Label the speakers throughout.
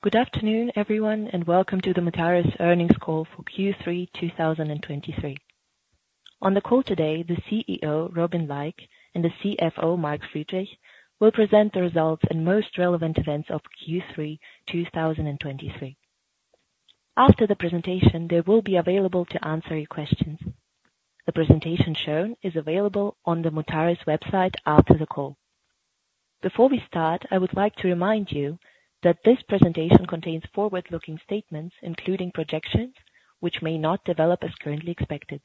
Speaker 1: Good afternoon, everyone, and welcome to the Mutares Earnings Call for Q3 2023. On the call today, the CEO, Robin Laik, and the CFO, Mark Friedrich, will present the results and most relevant events of Q3 2023. After the presentation, they will be available to answer your questions. The presentation shown is available on the Mutares website after the call. Before we start, I would like to remind you that this presentation contains forward-looking statements, including projections, which may not develop as currently expected.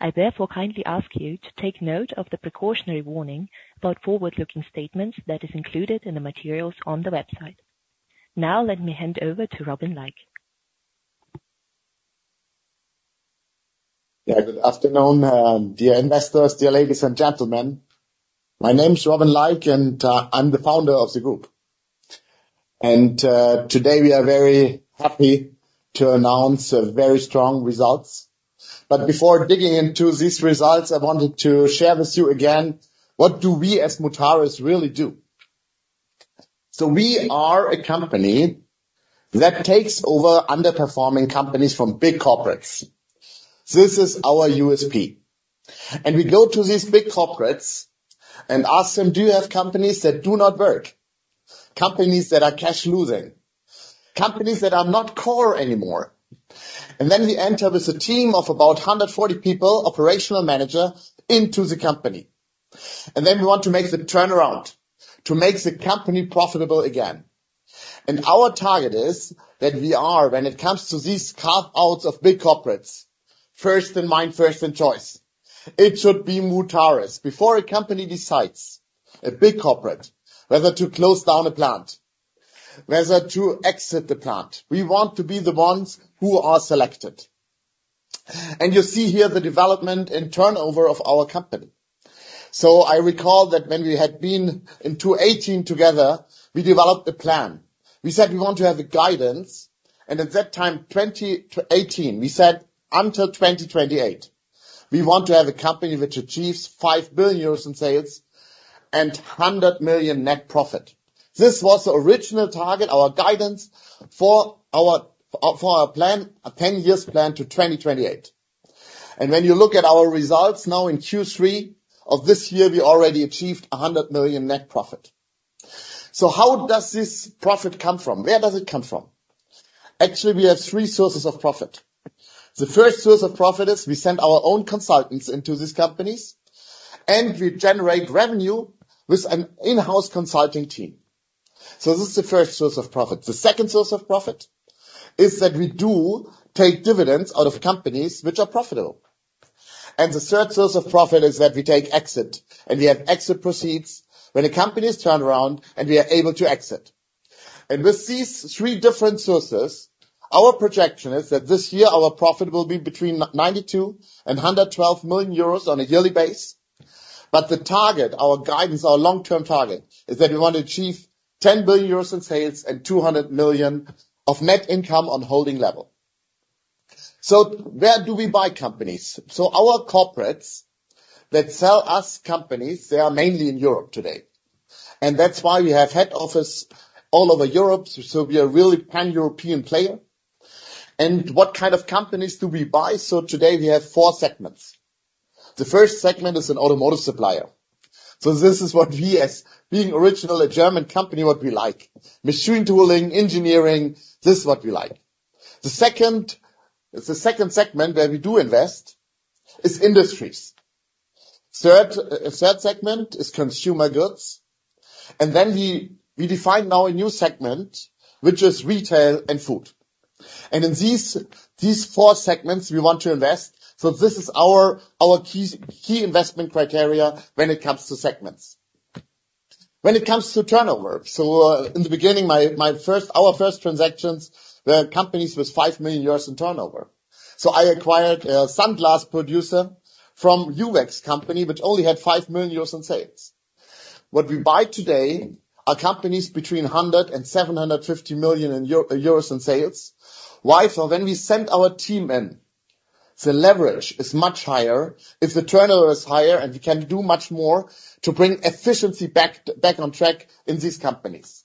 Speaker 1: I therefore kindly ask you to take note of the precautionary warning about forward-looking statements that is included in the materials on the website. Now, let me hand over to Robin Laik.
Speaker 2: Yeah, good afternoon, dear investors, dear ladies and gentlemen. My name is Robin Laik, and, I'm the founder of the group. And, today, we are very happy to announce a very strong results. But before digging into these results, I wanted to share with you again, what do we, as Mutares, really do? So we are a company that takes over underperforming companies from big corporates. This is our USP, and we go to these big corporates and ask them: "Do you have companies that do not work? Companies that are cash losing, companies that are not core anymore." And then we enter with a team of about 140 people, operational manager, into the company. And then we want to make the turnaround, to make the company profitable again. Our target is that we are, when it comes to these carve-outs of big corporates, first in mind, first in choice. It should be Mutares. Before a company decides, a big corporate, whether to close down a plant, whether to exit the plant, we want to be the ones who are selected. And you see here the development and turnover of our company. So I recall that when we had been in 2018 together, we developed a plan. We said we want to have a guidance, and at that time, 2018, we said until 2028, we want to have a company which achieves 5 billion euros in sales and 100 million net profit. This was the original target, our guidance for our, for our plan, a 10-year plan to 2028. When you look at our results now in Q3 of this year, we already achieved 100 million net profit. So how does this profit come from? Where does it come from? Actually, we have three sources of profit. The first source of profit is we send our own consultants into these companies, and we generate revenue with an in-house consulting team. So this is the first source of profit. The second source of profit is that we do take dividends out of companies which are profitable. And the third source of profit is that we take exit, and we have exit proceeds when the companies turn around and we are able to exit. And with these three different sources, our projection is that this year, our profit will be between 92 million euros and 112 million euros on a yearly base. But the target, our guidance, our long-term target, is that we want to achieve 10 billion euros in sales and 200 million of net income on holding level. So where do we buy companies? So our corporates that sell us companies, they are mainly in Europe today, and that's why we have head office all over Europe. So we are really pan-European player. And what kind of companies do we buy? So today we have four segments. The first segment is an automotive supplier. So this is what we as, being original, a German company, what we like. Machine tooling, engineering, this is what we like. The second segment, where we do invest, is industries. Third segment is consumer goods. And then we define now a new segment, which is retail and food. In these four segments, we want to invest, so this is our key investment criteria when it comes to segments. When it comes to turnover, so in the beginning, our first transactions were companies with 5 million euros in turnover. So I acquired a sunglass producer from Uvex Company, which only had 5 million euros in sales. What we buy today are companies between 100 and EURO 750 million in sales. Why? So when we send our team in, the leverage is much higher if the turnover is higher, and we can do much more to bring efficiency back on track in these companies.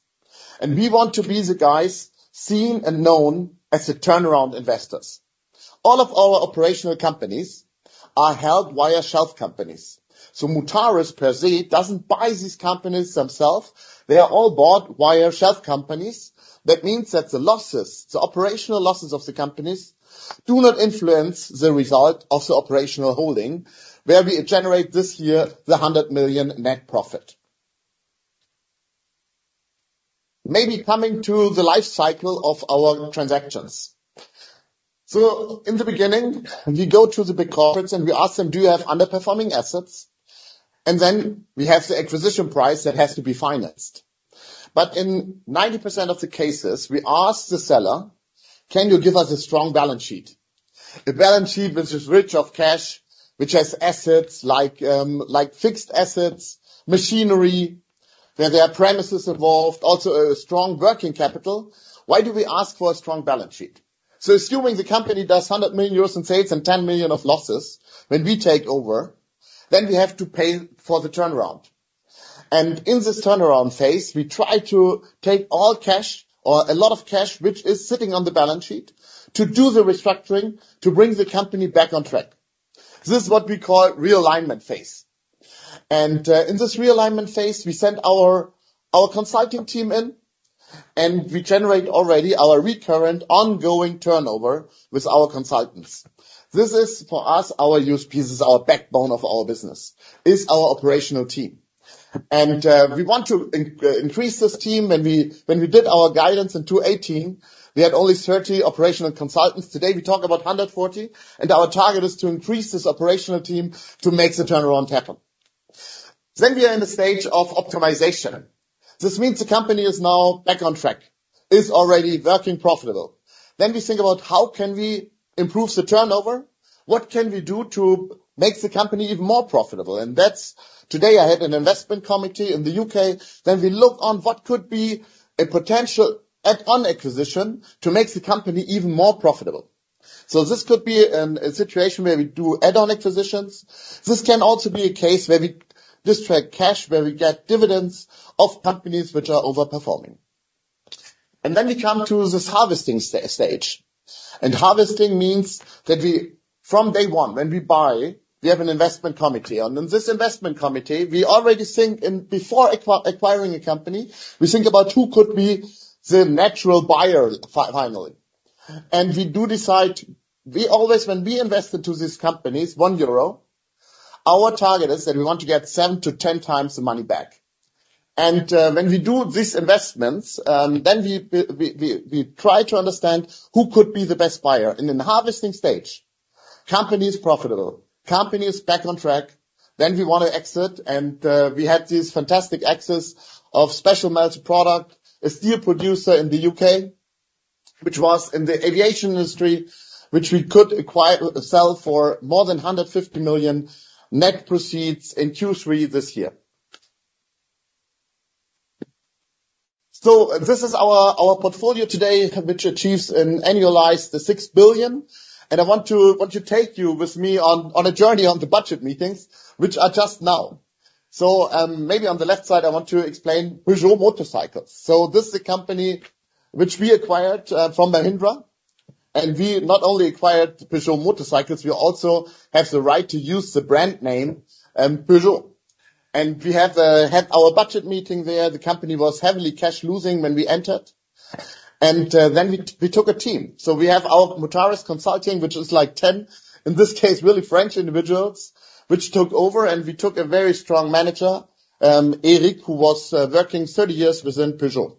Speaker 2: And we want to be the guys seen and known as the turnaround investors. All of our operational companies are held via shelf companies, so Mutares per se doesn't buy these companies themselves. They are all bought via shelf companies. That means that the losses, the operational losses of the companies, do not influence the result of the operational holding, where we generate this year 100 million net profit. Maybe coming to the life cycle of our transactions. So in the beginning, we go to the big corporates, and we ask them: "Do you have underperforming assets?" And then we have the acquisition price that has to be financed. But in 90% of the cases, we ask the seller: "Can you give us a strong balance sheet?" A balance sheet which is rich of cash, which has assets like, like fixed assets, machinery, where there are premises involved, also a strong working capital. Why do we ask for a strong balance sheet? So assuming the company does 100 million euros in sales and 10 million of losses, when we take over. Then we have to pay for the turnaround. In this turnaround phase, we try to take all cash or a lot of cash, which is sitting on the balance sheet, to do the restructuring to bring the company back on track. This is what we call realignment phase. In this realignment phase, we send our consulting team in, and we generate already our recurrent, ongoing turnover with our consultants. This is, for us, our use pieces, our backbone of our business, is our operational team. We want to increase this team. When we did our guidance in 2018, we had only 30 operational consultants. Today, we talk about 140, and our target is to increase this operational team to make the turnaround happen. Then we are in the stage of optimization. This means the company is now back on track, is already working profitable. Then we think about: How can we improve the turnover? What can we do to make the company even more profitable? And that's. Today I had an investment committee in the U.K., then we look on what could be a potential add-on acquisition to make the company even more profitable. So this could be a situation where we do add-on acquisitions. This can also be a case where we distribute cash, where we get dividends of companies which are overperforming. And then we come to this harvesting stage. And harvesting means that we, from day one, when we buy, we have an investment committee. In this investment committee, we already think, and before acquiring a company, we think about who could be the natural buyer finally. We do decide, we always, when we invest into these companies, 1 euro, our target is that we want to get seven to 10 times the money back. And when we do these investments, then we try to understand who could be the best buyer. And in the harvesting stage, company is profitable, company is back on track, then we wanna exit, and we had this fantastic exit of Special Melted Products, a steel producer in the U.K., which was in the aviation industry, which we could sell for more than 150 million net proceeds in Q3 this year. So this is our portfolio today, which achieves an annualized 6 billion. I want to take you with me on a journey on the budget meetings, which are just now. So, maybe on the left side, I want to explain Peugeot Motocycles. So this is a company which we acquired from Mahindra, and we not only acquired Peugeot Motocycles, we also have the right to use the brand name Peugeot. And we have had our budget meeting there. The company was heavily cash losing when we entered, and then we took a team. So we have our Mutares consulting, which is like 10, in this case, really French individuals, which took over, and we took a very strong manager, Eric, who was working 30 years within Peugeot.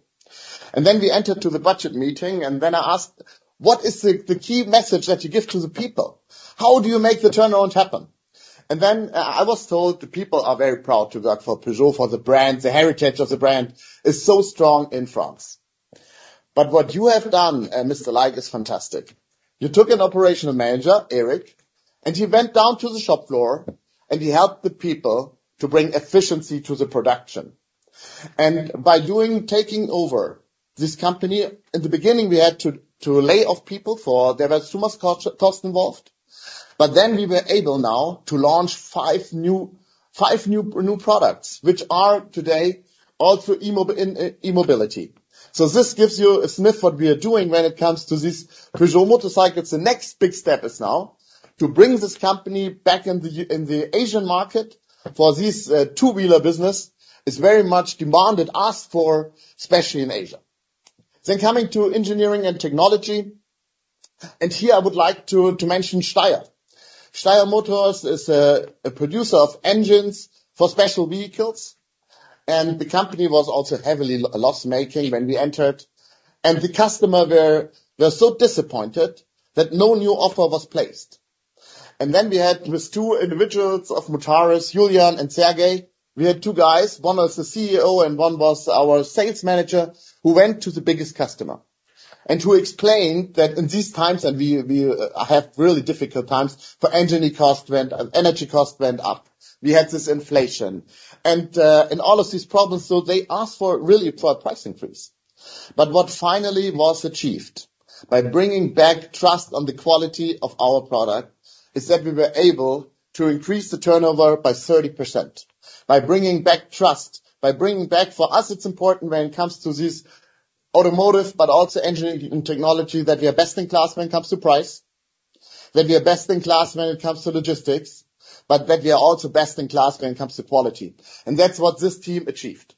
Speaker 2: And then we entered to the budget meeting, and then I asked: "What is the key message that you give to the people? How do you make the turnaround happen?" And then I was told the people are very proud to work for Peugeot, for the brand. The heritage of the brand is so strong in France. But what you have done, Mr. Laik, is fantastic. You took an operational manager, Eric, and he went down to the shop floor, and he helped the people to bring efficiency to the production. And by doing, taking over this company, at the beginning, we had to lay off people, for there was too much cost involved. But then we were able now to launch five new, new products, which are today also e-mobility. This gives you a sniff what we are doing when it comes to this Peugeot Motocycles. The next big step is now to bring this company back in the, in the Asian market, for this two-wheeler business is very much demanded, asked for, especially in Asia. Coming to engineering and technology, and here I would like to mention Steyr. Steyr Motors is a producer of engines for special vehicles, and the company was also heavily loss-making when we entered, and the customer were so disappointed that no new offer was placed. Then we had, with two individuals of Mutares, Julian and Sergei, we had two guys. One was the CEO and one was our sales manager, who went to the biggest customer and who explained that in these times, and we have really difficult times, for engineering cost went up and energy cost went up. We had this inflation and all of these problems, so they asked for a price increase. But what finally was achieved by bringing back trust on the quality of our product is that we were able to increase the turnover by 30%. By bringing back trust, for us, it's important when it comes to this automotive, but also engineering and technology, that we are best in class when it comes to price, that we are best in class when it comes to logistics, but that we are also best in class when it comes to quality. And that's what this team achieved.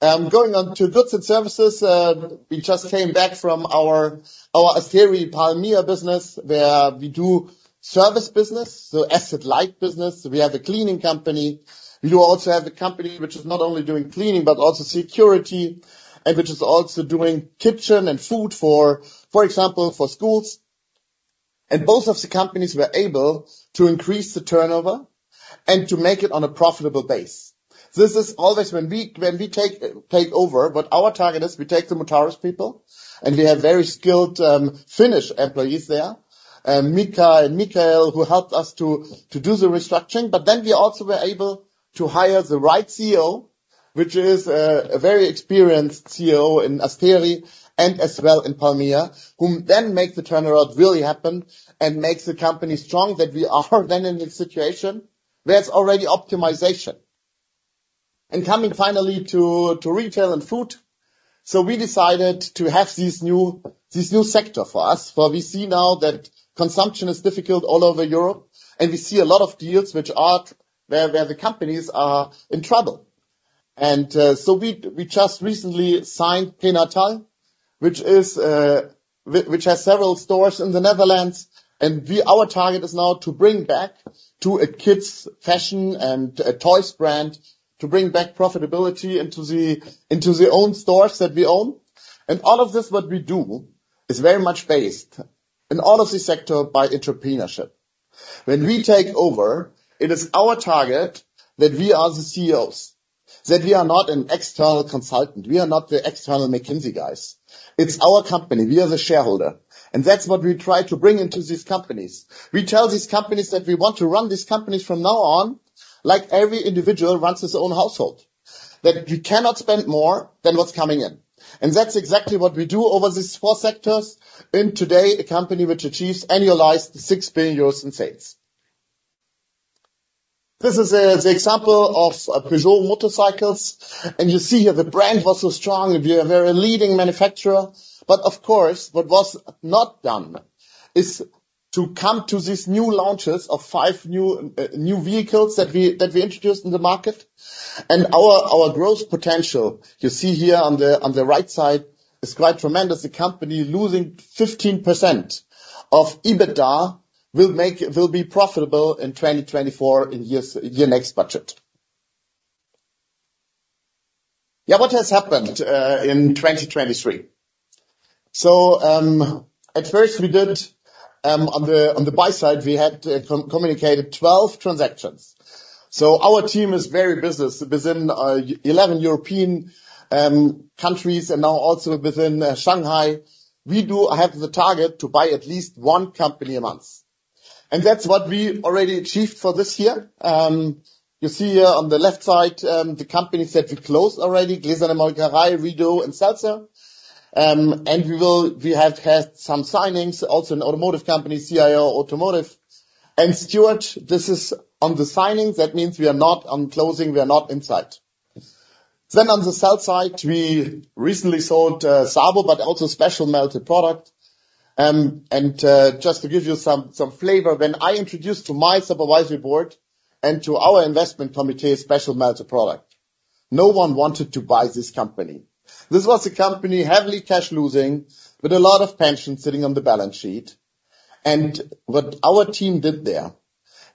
Speaker 2: Going on to goods and services, we just came back from our Terranor and Palmia business, where we do service business, so asset-light business. We have a cleaning company. We also have a company which is not only doing cleaning, but also security, and which is also doing kitchen and food for example, for schools. And both of the companies were able to increase the turnover and to make it on a profitable base. This is always when we take over, what our target is, we take the Mutares people, and we have very skilled Finnish employees there, Mika and Mikhail, who helped us to do the restructuring. But then we also were able to hire the right CEO. Which is a very experienced CEO in Terranor and as well in Palmia, who then make the turnaround really happen and makes the company strong, that we are then in this situation, that's already optimization. And coming finally to retail and food, so we decided to have this new, this new sector for us, for we see now that consumption is difficult all over Europe, and we see a lot of deals which are where the companies are in trouble. And so we just recently signed Prénatal, which is which has several stores in the Netherlands, and our target is now to bring back to a kids' fashion and a toys brand, to bring back profitability into the own stores that we own. All of this what we do is very much based in all of the sector by entrepreneurship. When we take over, it is our target that we are the CEOs, that we are not an external consultant, we are not the external McKinsey guys. It's our company, we are the shareholder, and that's what we try to bring into these companies. We tell these companies that we want to run these companies from now on, like every individual runs his own household, that you cannot spend more than what's coming in. And that's exactly what we do over these four sectors, in today, a company which achieves annualized 6 billion euros in sales. This is the example of Peugeot Motocycles, and you see here the brand was so strong, and we are a very leading manufacturer. But of course, what was not done is to come to these new launches of five new vehicles that we introduced in the market. And our growth potential, you see here on the right side, is quite tremendous. The company losing 15% of EBITDA, will be profitable in 2024 in years, your next budget. Yeah, what has happened in 2023? So, at first, we did, on the buy side, we had communicated 12 transactions. So our team is very busy within 11 European countries and now also within Shanghai. We do have the target to buy at least one company a month. And that's what we already achieved for this year. You see here on the left side, the companies that we closed already, Gläserne Molkerei, Redu, and Salsa. And we have had some signings, also an automotive company, CIE Automotive. And Steyr, this is on the signings, that means we are not on closing, we are not inside. Then on the south side, we recently sold, SABO, but also Special Melted Products. And just to give you some flavor, when I introduced to my supervisory board and to our investment committee, Special Melted Products, no one wanted to buy this company. This was a company heavily cash losing, with a lot of pension sitting on the balance sheet. And what our team did there,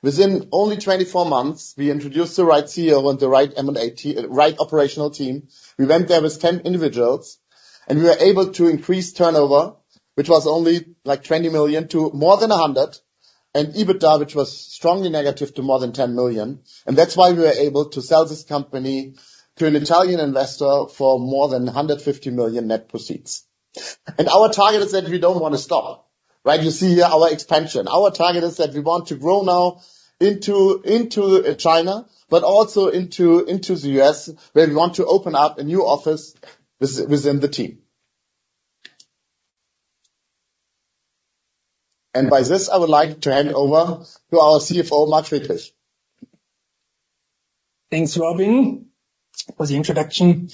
Speaker 2: within only 24 months, we introduced the right CEO and the right M&A team, right operational team. We went there with 10 individuals, and we were able to increase turnover, which was only like 20 million to more than 100 million, and EBITDA, which was strongly negative to more than 10 million. And that's why we were able to sell this company to an Italian investor for more than 150 million net proceeds. And our target is that we don't want to stop, right? You see here our expansion. Our target is that we want to grow now into, into, China, but also into, into the U.S., where we want to open up a new office within the team. And by this, I would like to hand over to our CFO, Mark Friedrich.
Speaker 3: Thanks, Robin, for the introduction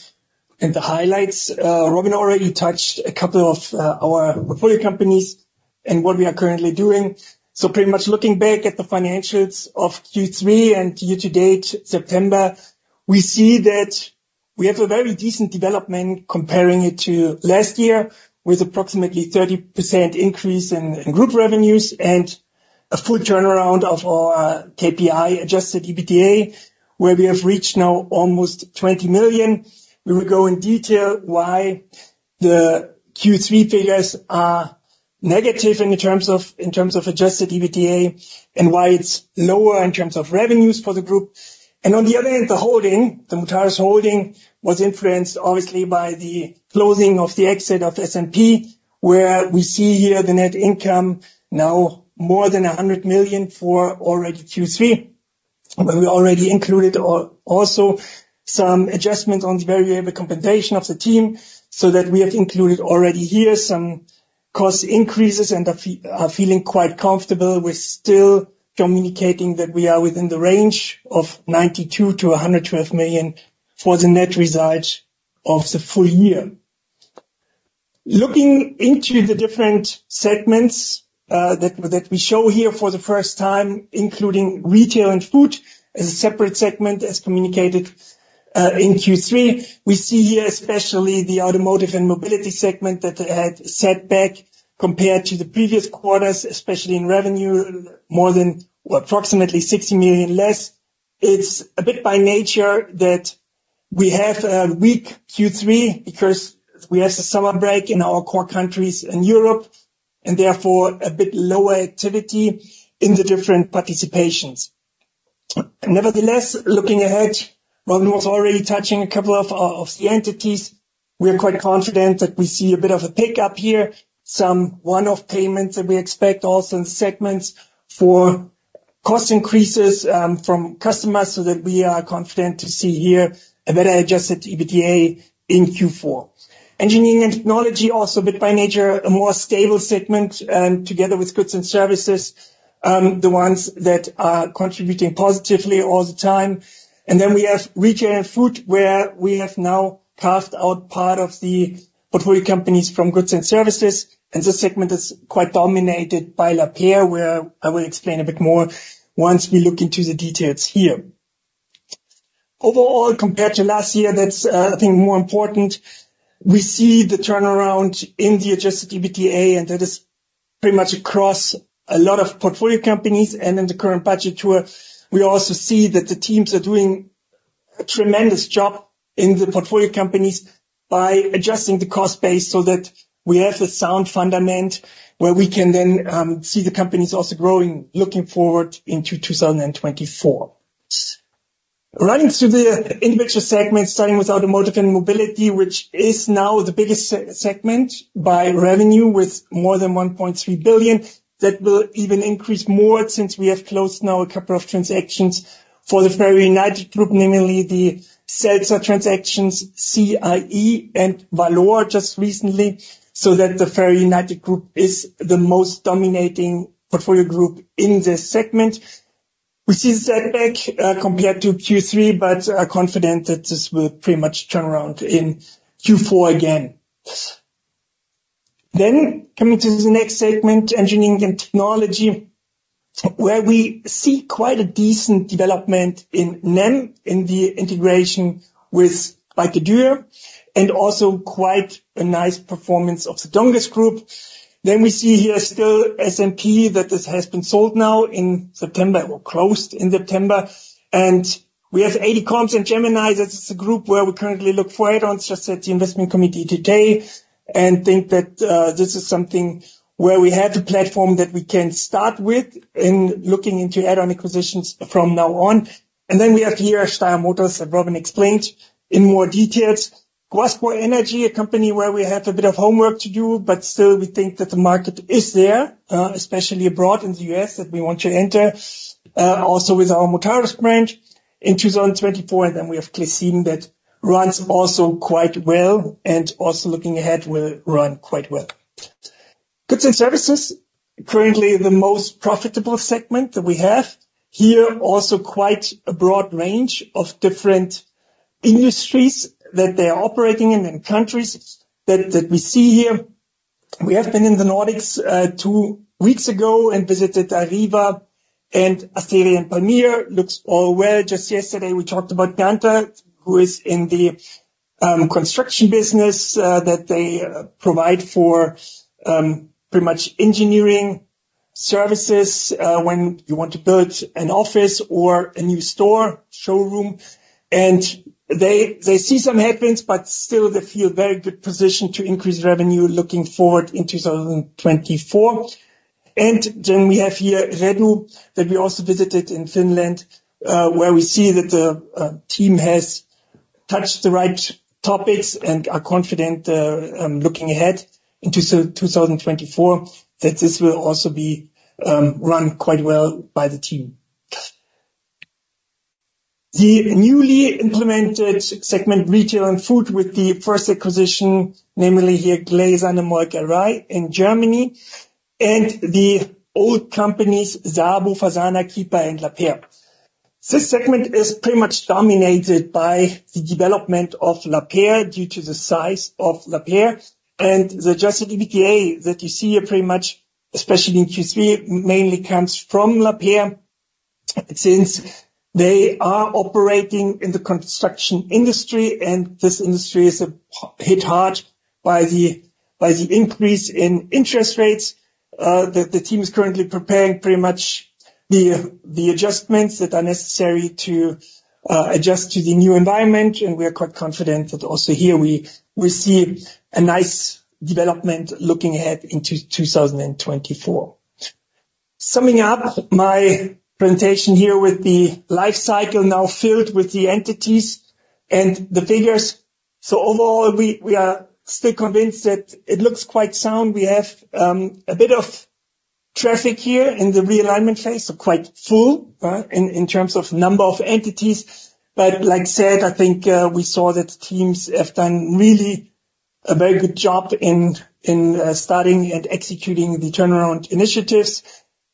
Speaker 3: and the highlights. Robin already touched a couple of our portfolio companies and what we are currently doing. So pretty much looking back at the financials of Q3 and year-to-date, September, we see that we have a very decent development comparing it to last year, with approximately 30% increase in group revenues and a full turnaround of our KPI-adjusted EBITDA, where we have reached now almost 20 million. We will go in detail why the Q3 figures are negative in terms of adjusted EBITDA and why it's lower in terms of revenues for the group. On the other end, the holding, the Mutares holding, was influenced obviously by the closing of the exit of SMP, where we see here the net income now more than 100 million for already Q3, where we already included also some adjustments on the variable compensation of the team, so that we have included already here some cost increases and are feeling quite comfortable with still communicating that we are within the range of 92 million-112 million for the net result of the full year. Looking into the different segments, that we show here for the first time, including Retail and Food, as a separate segment, as communicated, in Q3. We see here, especially the Automotive and Mobility segment, that had set back compared to the previous quarters, especially in revenue, more than approximately 60 million less. It's a bit by nature that we have a weak Q3 because we have the summer break in our core countries in Europe, and therefore, a bit lower activity in the different participations. Nevertheless, looking ahead, Robin was already touching a couple of the entities. We are quite confident that we see a bit of a pickup here, some one-off payments that we expect also in segments for cost increases from customers so that we are confident to see here a better Adjusted EBITDA in Q4. Engineering and technology also, but by nature, a more stable segment, and together with goods and services, the ones that are contributing positively all the time. And then we have retail and food, where we have now carved out part of the portfolio companies from goods and services, and this segment is quite dominated by Lapeyre, where I will explain a bit more once we look into the details here. Overall, compared to last year, that's, I think, more important. We see the turnaround in the Adjusted EBITDA, and that is pretty much across a lot of portfolio companies. And in the current budget tour, we also see that the teams are doing a tremendous job in the portfolio companies by adjusting the cost base so that we have a sound fundament, where we can then see the companies also growing, looking forward into 2024. Running through the individual segments, starting with automotive and mobility, which is now the biggest segment by revenue, with more than 1.3 billion, that will even increase more since we have closed now a couple of transactions for the FerrAl United, namely the seller transactions CIE and Walor recently, so that the FerrAl United is the most dominating portfolio group in this segment. We see a setback compared to Q3, but are confident that this will pretty much turn around in Q4 again. Then, coming to the next segment, engineering and technology, where we see quite a decent development in NEM, in the integration with Buderus, and also quite a nice performance of the Donges Group. Then we see here still SMP, that this has been sold now in September, or closed in September, and we have ADComms and Gemini. That is a group where we currently look for add-ons, just at the investment committee today, and think that, this is something where we have the platform that we can start with in looking into add-on acquisitions from now on. Then we have here Steyr Motors, as Robin explained in more details. Guascor Energy, a company where we have a bit of homework to do, but still we think that the market is there, especially abroad in the U.S., that we want to enter. Also with our Motors branch in 2024, and then we have Clecim, that runs also quite well, and also looking ahead, will run quite well. Goods and Services, currently the most profitable segment that we have. Here, also quite a broad range of different industries that they are operating in, and countries that, that we see here. We have been in the Nordics two weeks ago and visited Arriva, and Asteri and Palmia looks all well. Just yesterday, we talked about Ganter, who is in the construction business, that they provide for pretty much engineering services, when you want to build an office or a new store, showroom. And they see some headwinds, but still they feel very good positioned to increase revenue looking forward in 2024. And then we have here Redu, that we also visited in Finland, where we see that the team has touched the right topics and are confident looking ahead into 2024, that this will also be run quite well by the team. The newly implemented segment, Retail and Food, with the first acquisition, namely here, Gläserne Molkerei in Germany, and the old companies, SABO, FASANA, Kiper, and Lapeyre. This segment is pretty much dominated by the development of Lapeyre, due to the size of Lapeyre, and the Adjusted EBITDA that you see here, pretty much, especially in Q3, mainly comes from Lapeyre. Since they are operating in the construction industry, and this industry is hit hard by the increase in interest rates, the team is currently preparing pretty much the adjustments that are necessary to adjust to the new environment. And we are quite confident that also here we see a nice development looking ahead into 2024. Summing up my presentation here with the life cycle now filled with the entities and the figures. So overall, we, we are still convinced that it looks quite sound. We have a bit of traffic here in the Realignment phase, so quite full, in, in terms of number of entities. But like I said, I think we saw that teams have done really a very good job in, in starting and executing the turnaround initiatives,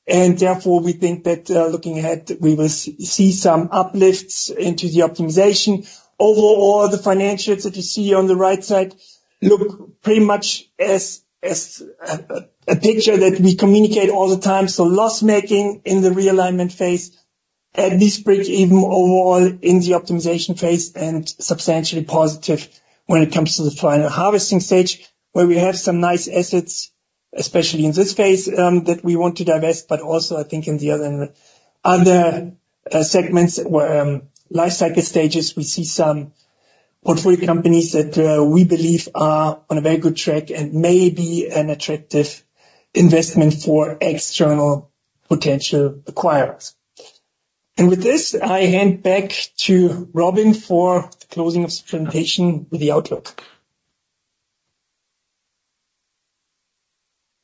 Speaker 3: and therefore, we think that looking ahead, we will see some uplifts into the Optimization. Overall, the financials that you see on the right side look pretty much as a picture that we communicate all the time. So loss-making in the realignment phase, at this break-even overall in the optimization phase, and substantially positive when it comes to the final harvesting stage, where we have some nice assets, especially in this phase, that we want to divest, but also, I think, in the other segments where life cycle stages, we see some portfolio companies that we believe are on a very good track and may be an attractive investment for external potential acquirers. And with this, I hand back to Robin for the closing of his presentation with the outlook.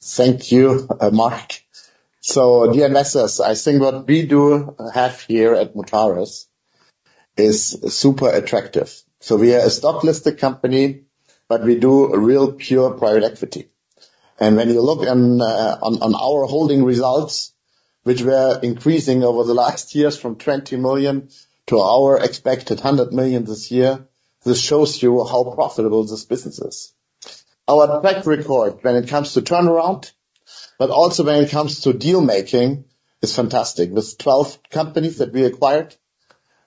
Speaker 2: Thank you, Mark. So dear investors, I think what we do have here at Mutares is super attractive. So we are a stock-listed company, but we do a real pure private equity. And when you look on, on our holding results, which were increasing over the last years from 20 million to our expected 100 million this year, this shows you how profitable this business is. Our track record when it comes to turnaround, but also when it comes to deal making, is fantastic. With 12 companies that we acquired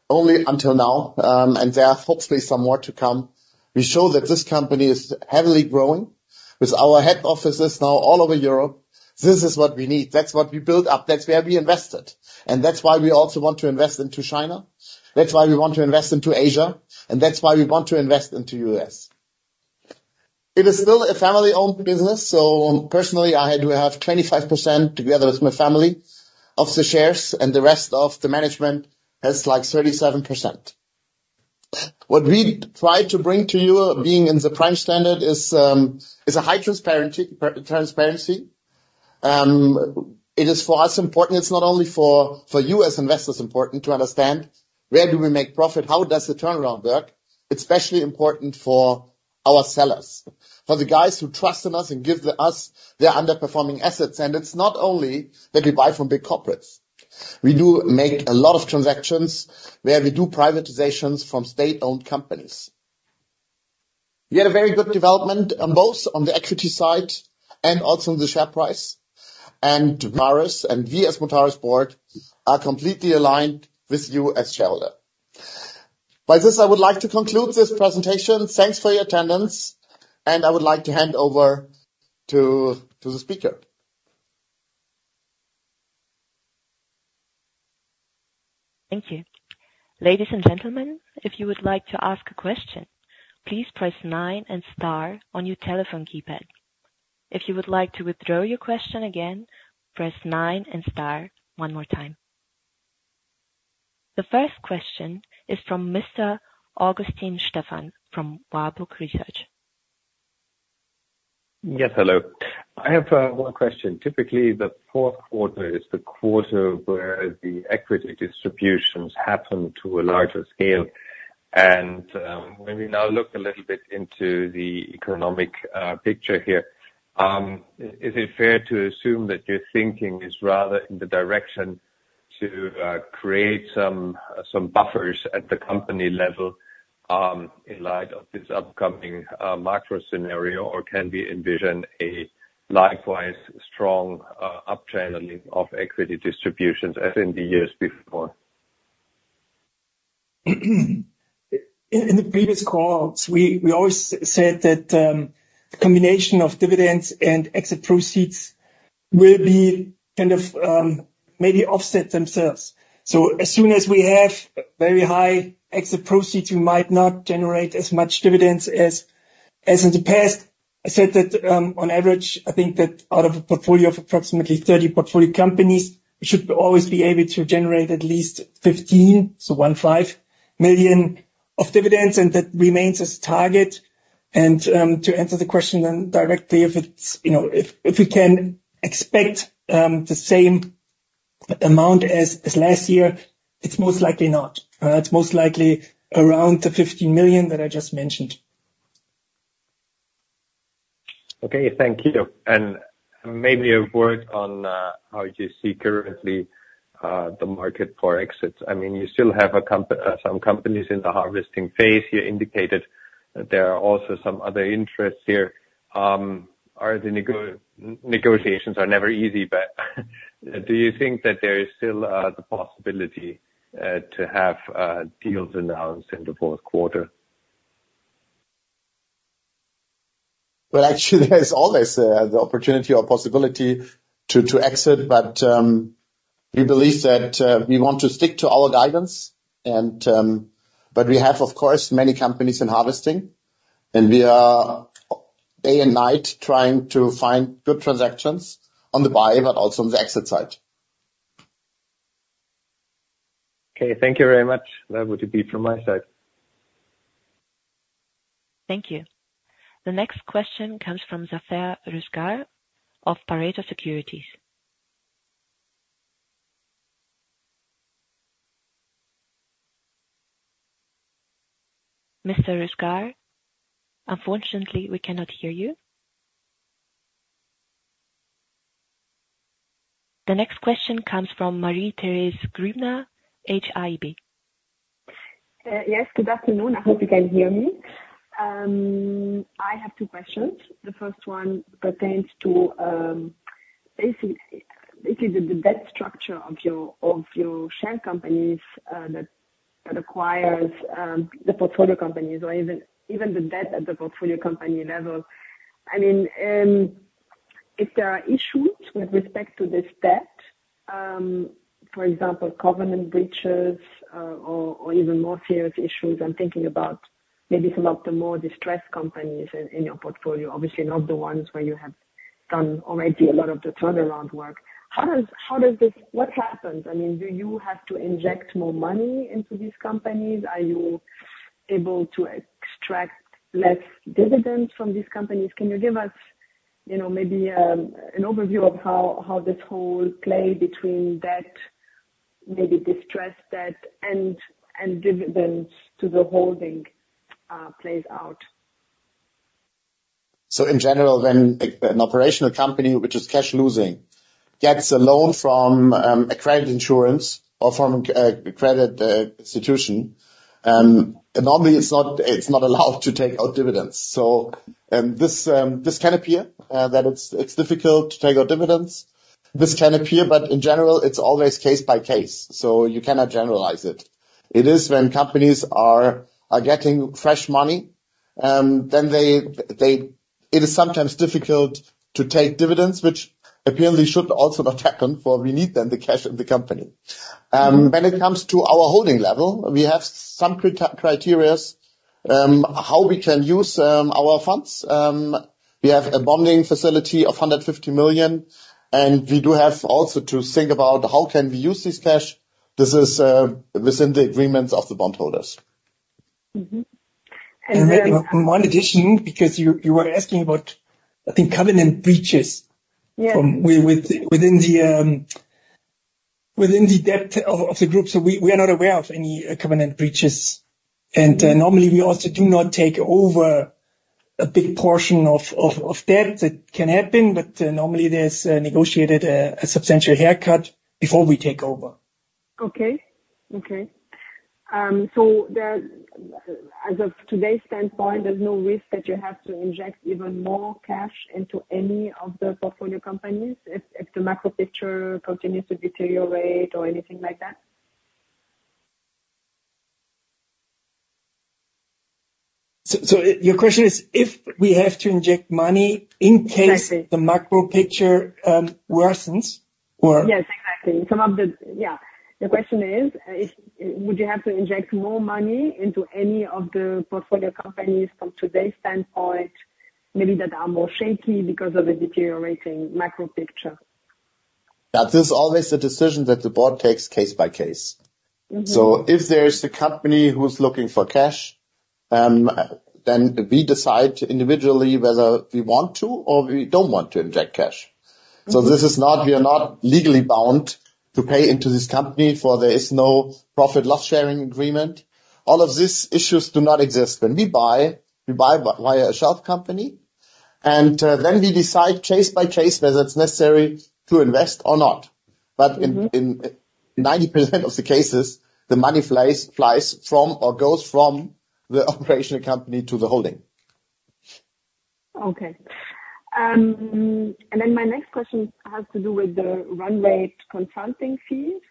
Speaker 2: only until now, and there are hopefully some more to come, we show that this company is heavily growing with our head offices now all over Europe. This is what we need. That's what we built up. That's where we invested, and that's why we also want to invest into China. That's why we want to invest into Asia, and that's why we want to invest into U.S. It is still a family-owned business, so personally, I do have 25%, together with my family, of the shares, and the rest of the management has, like, 37%. What we try to bring to you, being in the Prime Standard, is a high transparency, transparency. It is, for us, important, it's not only for you as investors important to understand where do we make profit, how does the turnaround work? It's especially important for our sellers, for the guys who trust in us and give us their underperforming assets, and it's not only that we buy from big corporates. We do make a lot of transactions where we do privatizations from state-owned companies. We had a very good development, both on the equity side and also on the share price, and Mutares and we as Mutares board are completely aligned with you as shareholder. By this, I would like to conclude this presentation. Thanks for your attendance, and I would like to hand over to the speaker.
Speaker 1: Thank you. Ladies and gentlemen, if you would like to ask a question, please press nine and star on your telephone keypad. If you would like to withdraw your question again, press nine and star one more time. The first question is from Mr. Augustin Stefan, from Warburg Research.
Speaker 4: Yes, hello. I have one question. Typically, the Q4 is the quarter where the equity distributions happen to a larger scale. When we now look a little bit into the economic picture here, is it fair to assume that your thinking is rather in the direction to create some, some buffers at the company level, in light of this upcoming macro scenario? Or can we envision a likewise strong uptrend of equity distributions as in the years before?
Speaker 3: In the previous calls, we always said that the combination of dividends and exit proceeds will be kind of maybe offset themselves. So as soon as we have very high exit proceeds, we might not generate as much dividends as in the past. I said that on average, I think that out of a portfolio of approximately 30 portfolio companies, we should always be able to generate at least 15 million of dividends, and that remains as target. And to answer the question then directly, if it's you know, if we can expect the same amount as last year, it's most likely not. It's most likely around the 50 million that I just mentioned.
Speaker 4: Okay, thank you. Maybe a word on how you see currently the market for exits. I mean, you still have some companies in the harvesting phase. You indicated that there are also some other interests here. Negotiations are never easy, but do you think that there is still the possibility to have deals announced in the Q4?
Speaker 2: Well, actually, there is always the opportunity or possibility to exit, but we believe that we want to stick to our guidance, and but we have, of course, many companies in harvesting, and we are day and night trying to find good transactions on the buy but also on the exit side.
Speaker 4: Okay, thank you very much. That would be it from my side.
Speaker 1: Thank you. The next question comes from Zafer Rüzgar of Pareto Securities. Mr. Rüzgar, unfortunately, we cannot hear you. The next question comes from Marie-Thérèse Grübner, HAIB
Speaker 5: Yes, good afternoon. I hope you can hear me. I have two questions. The first one pertains to basically the debt structure of your shelf companies that acquire the portfolio companies, or even the debt at the portfolio company level. I mean, if there are issues with respect to this debt, for example, covenant breaches, or even more serious issues, I'm thinking about maybe some of the more distressed companies in your portfolio. Obviously, not the ones where you have done already a lot of the turnaround work. How does this... What happens? I mean, do you have to inject more money into these companies? Are you able to extract less dividends from these companies? Can you give us, you know, maybe, an overview of how this whole play between debt, maybe distressed debt and dividends to the holding plays out?
Speaker 2: So in general, when an operational company, which is cash losing, gets a loan from a credit insurance or from a credit institution, normally it's not allowed to take out dividends. And this can appear that it's difficult to take out dividends. This can appear, but in general, it's always case by case, so you cannot generalize it. It is when companies are getting fresh money, then it is sometimes difficult to take dividends, which apparently should also not happen, for we need them, the cash of the company. When it comes to our holding level, we have some criteria how we can use our funds. We have a bond facility of 150 million, and we do have also to think about how can we use this cash. This is within the agreements of the bondholders.
Speaker 5: Mm-hmm.
Speaker 3: One addition, because you were asking about, I think, covenant breaches.
Speaker 5: Yes.
Speaker 3: Within the debt of the group. So we are not aware of any covenant breaches. And normally we also do not take over a big portion of debt. That can happen, but normally there's negotiated a substantial haircut before we take over.
Speaker 5: Okay. Okay. So there, as of today's standpoint, there's no risk that you have to inject even more cash into any of the portfolio companies if, if the macro picture continues to deteriorate or anything like that?
Speaker 3: So, your question is, if we have to inject money in case the macro picture worsens, or?
Speaker 5: Yes, exactly. Yeah. The question is, would you have to inject more money into any of the portfolio companies from today's standpoint, maybe that are more shaky because of the deteriorating macro picture?
Speaker 2: That is always the decision that the board takes case by case.
Speaker 5: Mm-hmm.
Speaker 2: So if there's the company who's looking for cash, then we decide individually whether we want to or we don't want to inject cash.
Speaker 5: Mm-hmm.
Speaker 2: This is not. We are not legally bound to pay into this company, for there is no profit loss sharing agreement. All of these issues do not exist. When we buy, we buy via a shelf company, and then we decide case by case whether it's necessary to invest or not.
Speaker 5: Mm-hmm.
Speaker 2: But in 90% of the cases, the money flies from, or goes from the operational company to the holding.
Speaker 5: Okay. And then my next question has to do with the run rate consulting fees.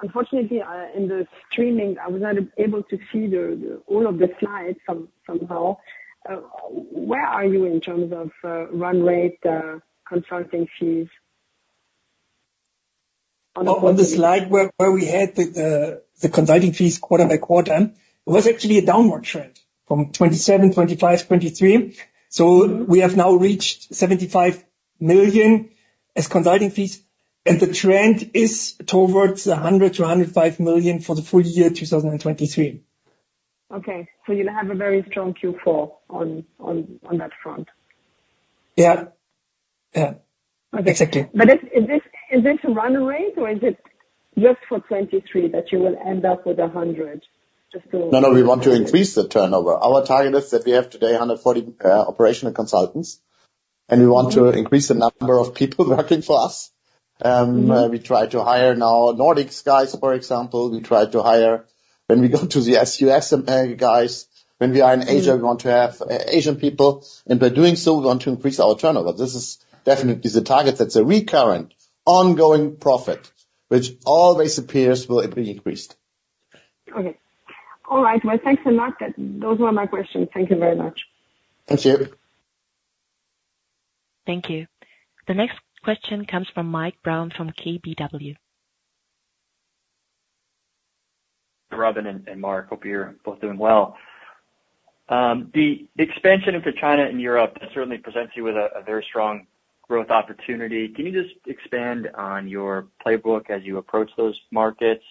Speaker 5: Unfortunately, in the streaming, I was not able to see all of the slides somehow. Where are you in terms of run rate consulting fees?
Speaker 3: On the slide where we had the consulting fees quarter-by-quarter, it was actually a downward trend from 27, 25, 23.
Speaker 5: Mm-hmm.
Speaker 3: We have now reached 75 million as consulting fees, and the trend is towards 100 million-105 million for the full year, 2023.
Speaker 5: Okay, so you'll have a very strong Q4 on that front?
Speaker 3: Yeah. Yeah.
Speaker 5: Okay.
Speaker 3: Exactly.
Speaker 5: But is this a run rate, or is it just for 2023 that you will end up with 100?
Speaker 2: No, no, we want to increase the turnover. Our target is that we have today 140 operational consultants-- and we want to increase the number of people working for us.
Speaker 5: Mm-hmm.
Speaker 2: We try to hire now Nordics guys, for example. We try to hire when we go to the U.S. guys, when we are in Asia, we want to have Asian people, and by doing so, we want to increase our turnover. This is definitely the target. That's a recurrent, ongoing profit, which always appears will be increased.
Speaker 5: Okay. All right. Well, thanks a lot. That, those were my questions. Thank you very much.
Speaker 2: Thank you.
Speaker 1: Thank you. The next question comes from Mike Brown, from KBW.
Speaker 6: Robin and Mark, hope you're both doing well. The expansion into China and Europe certainly presents you with a very strong growth opportunity. Can you just expand on your playbook as you approach those markets?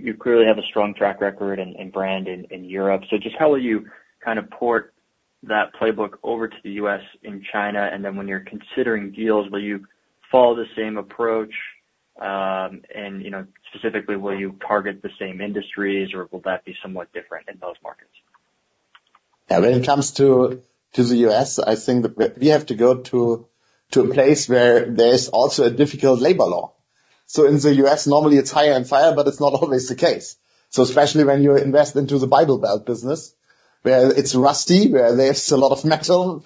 Speaker 6: You clearly have a strong track record and brand in Europe, so just how will you kind of port that playbook over to the U.S. and China? And then when you're considering deals, will you follow the same approach? And, you know, specifically, will you target the same industries, or will that be somewhat different in those markets?
Speaker 2: Yeah, when it comes to the U.S., I think we have to go to a place where there is also a difficult labor law. So in the U.S., normally it's hire and fire, but it's not always the case. So especially when you invest into the Bible Belt business, where it's rusty, where there's a lot of metal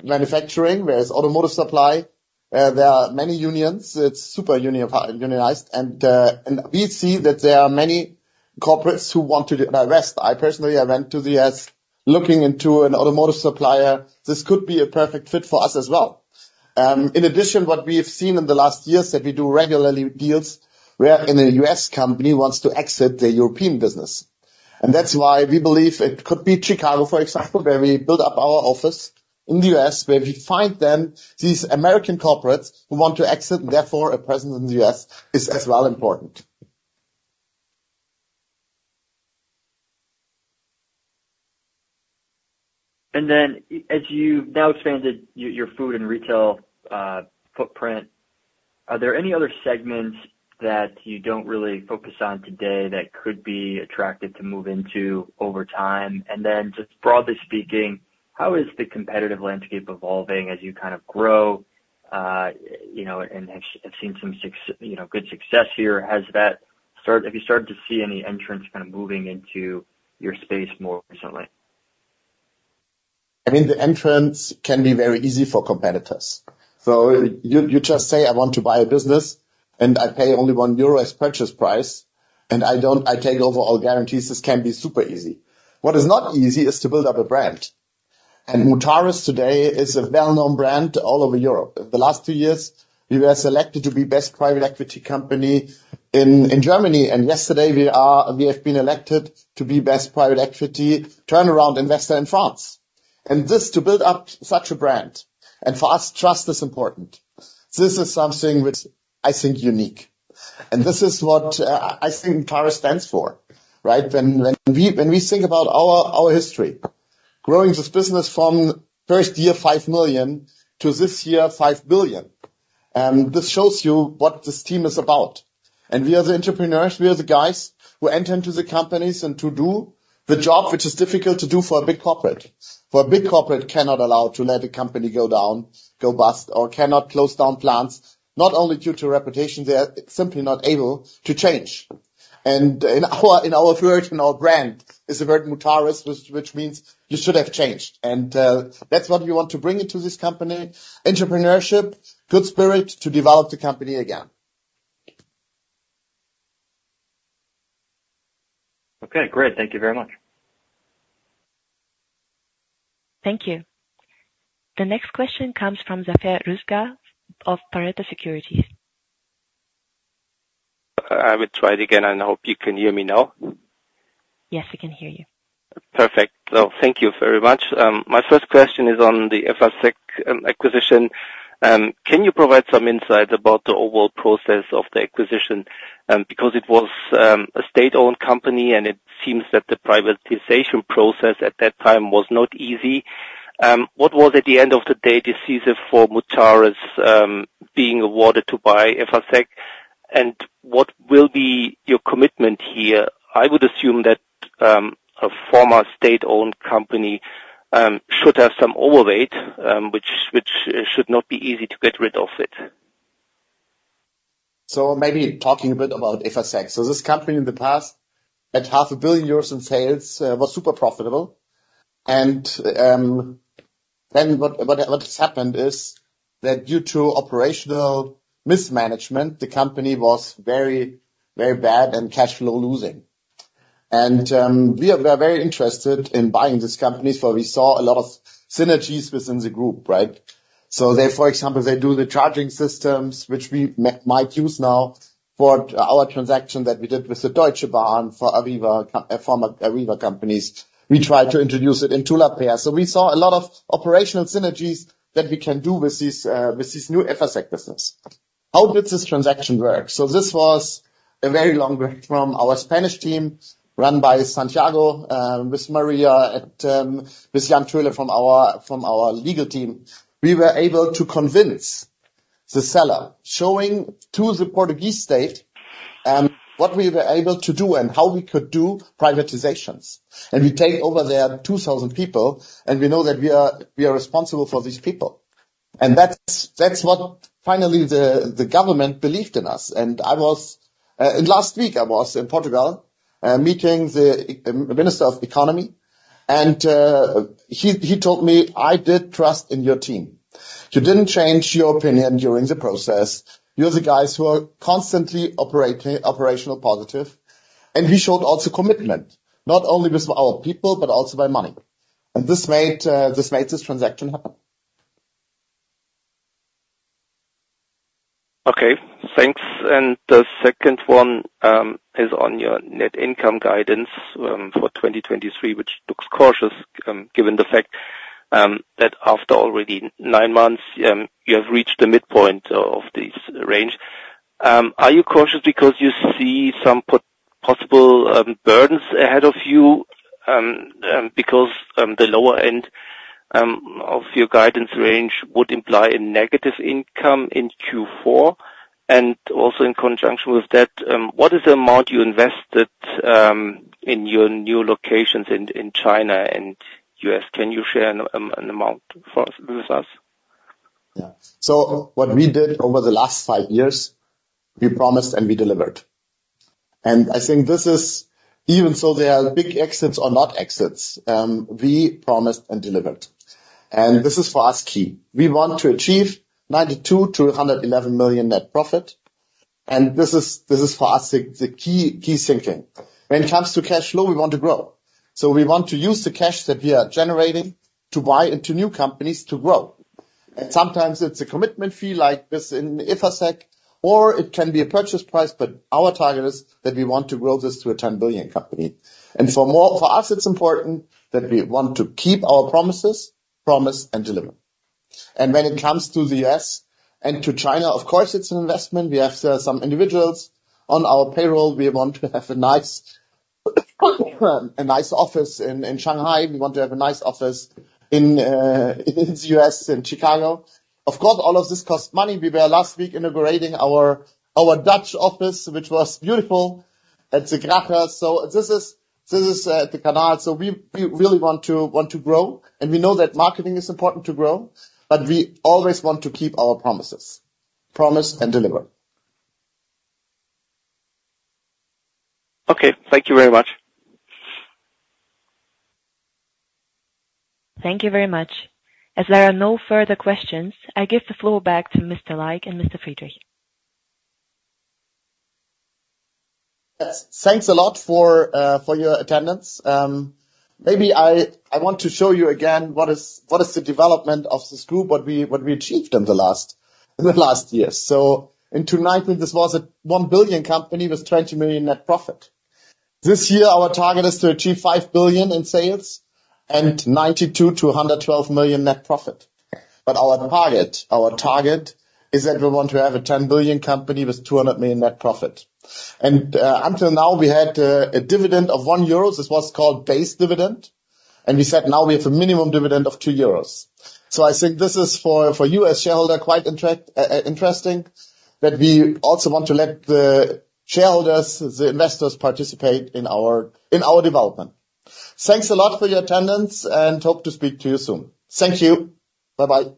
Speaker 2: manufacturing, where's automotive supply, there are many unions. It's super union, unionized. And, and we see that there are many corporates who want to invest. I personally, I went to the U.S. looking into an automotive supplier. This could be a perfect fit for us as well. In addition, what we have seen in the last years, that we do regularly deals, where an U.S. company wants to exit the European business. That's why we believe it could be Chicago, for example, where we build up our office in the U.S., where we find then these American corporates who want to exit. Therefore, a presence in the U.S. is as well important.
Speaker 6: And then, as you've now expanded your food and retail footprint, are there any other segments that you don't really focus on today that could be attractive to move into over time? And then, just broadly speaking, how is the competitive landscape evolving as you kind of grow, you know, and have seen some success, you know, good success here. Have you started to see any entrants kind of moving into your space more recently?
Speaker 2: I mean, the entrants can be very easy for competitors. So you, you just say, "I want to buy a business, and I pay only 1 euro as purchase price, and I don't - I take over all guarantees," this can be super easy. What is not easy is to build up a brand. And Mutares today is a well-known brand all over Europe. The last two years, we were selected to be best private equity company in, in Germany, and yesterday, we have been elected to be best private equity turnaround investor in France. And this, to build up such a brand, and for us, trust is important. This is something which I think unique, and this is what, I think Mutares stands for, right? When we think about our history, growing this business from first year, 5 million, to this year, 5 billion, and this shows you what this team is about. We are the entrepreneurs, we are the guys who enter into the companies to do the job, which is difficult to do for a big corporate. For a big corporate cannot allow to let a company go down, go bust, or cannot close down plants, not only due to reputation, they are simply not able to change. In our version, our brand, is the word Mutares, which means you should have changed. That's what we want to bring into this company: entrepreneurship, good spirit to develop the company again.
Speaker 6: Okay, great. Thank you very much.
Speaker 1: Thank you. The next question comes from Zafer Rüzgar of Pareto Securities.
Speaker 7: I will try it again and hope you can hear me now.
Speaker 1: Yes, we can hear you.
Speaker 7: Perfect. So thank you very much. My first question is on the Efacec acquisition. Can you provide some insight about the overall process of the acquisition? Because it was a state-owned company, and it seems that the privatization process at that time was not easy. What was, at the end of the day, decisive for Mutares being awarded to buy Efacec, and what will be your commitment here? I would assume that a former state-owned company should have some overweight, which should not be easy to get rid of it.
Speaker 2: So maybe talking a bit about Efacec. So this company, in the past, had 500 million euros in sales, was super profitable. And, then what has happened is, that due to operational mismanagement, the company was very, very bad and cash flow losing. And, we are very interested in buying this company, for we saw a lot of synergies within the group, right? So they, for example, they do the charging systems, which we might use now for our transaction that we did with the Deutsche Bahn, for Arriva, a former Arriva companies. We try to introduce it in Lapeyre. So we saw a lot of operational synergies that we can do with this, with this new Efacec business. How did this transaction work? So this was a very long way from our Spanish team, run by Santiago, with Maria and with Jan Thöle from our legal team. We were able to convince the seller, showing to the Portuguese state what we were able to do and how we could do privatizations. And we take over their 2,000 people, and we know that we are, we are responsible for these people. And that's, that's what finally the government believed in us. And I was, and last week I was in Portugal, meeting the Minister of Economy, and he, he told me, "I did trust in your team. You didn't change your opinion during the process. You're the guys who are constantly operating—operational, positive, and we showed also commitment, not only with our people, but also by money." And this made, this made this transaction happen.
Speaker 7: Okay, thanks. The second one is on your net income guidance for 2023, which looks cautious, given the fact that after already nine months, you have reached the midpoint of this range. Are you cautious because you see some possible burdens ahead of you? Because the lower end of your guidance range would imply a negative income in Q4. And also in conjunction with that, what is the amount you invested in your new locations in China and U.S.? Can you share an amount with us?
Speaker 2: Yeah. So what we did over the last five years, we promised and we delivered. And I think this is—even so they are big exits or not exits, we promised and delivered, and this is, for us, key. We want to achieve 92 million-111 million net profit, and this is, this is, for us, the, the key, key thinking. When it comes to cash flow, we want to grow. So we want to use the cash that we are generating to buy into new companies to grow. And sometimes it's a commitment fee, like this in Efacec, or it can be a purchase price, but our target is that we want to grow this to a 10 billion company. And for more—for us, it's important that we want to keep our promises, promise, and deliver. When it comes to the U.S. and to China, of course, it's an investment. We have some individuals on our payroll. We want to have a nice, a nice office in Shanghai. We want to have a nice office in the U.S., in Chicago. Of course, all of this costs money. We were last week inaugurating our Dutch office, which was beautiful, at the Gracht. So this is the canal. So we really want to grow, and we know that marketing is important to grow, but we always want to keep our promises. Promise and deliver.
Speaker 4: Okay, thank you very much.
Speaker 1: Thank you very much. As there are no further questions, I give the floor back to Mr. Laik and Mr. Friedrich.
Speaker 2: Thanks a lot for your attendance. Maybe I want to show you again, what is the development of this group, what we achieved in the last years. So in 2009, this was a 1 billion company with 20 million net profit. This year, our target is to achieve 5 billion in sales and 92 million-112 million net profit. But our target is that we want to have a 10 billion company with 200 million net profit. And until now, we had a dividend of 1 euro. This was called base dividend, and we said, now we have a minimum dividend of 2 euros. So, I think this is for you as shareholder quite attractive, interesting, that we also want to let the shareholders, the investors, participate in our development. Thanks a lot for your attendance, and hope to speak to you soon. Thank you. Bye-bye.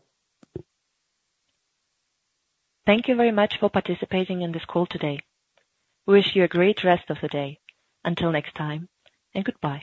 Speaker 1: Thank you very much for participating in this call today. We wish you a great rest of the day. Until next time, and goodbye.